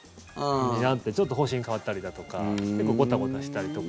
ちょっと方針が変わったりだとか結構ごたごたしたりとか。